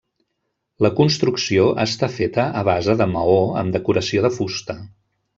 La construcció està feta a base de maó amb decoració de fusta.